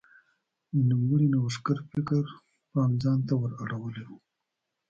د نوموړي نوښتګر فکر پام ځان ته ور اړولی و.